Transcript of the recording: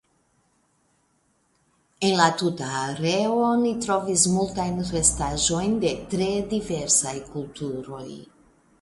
En la tuta areo oni trovis multajn restaĵojn de tre diversaj kulturoj.